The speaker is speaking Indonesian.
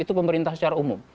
itu pemerintah secara umum